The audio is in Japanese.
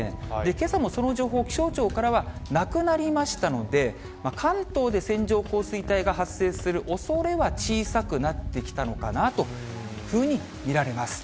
けさもその情報、気象庁からはなくなりましたので、関東で線状降水帯が発生するおそれは小さくなってきたのかなというふうに見られます。